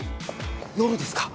夜ですか？